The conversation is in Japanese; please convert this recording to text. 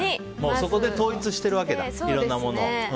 そこで統一してるわけだいろんなものを。